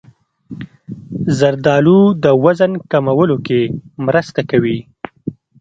زردالو د وزن کمولو کې مرسته کوي.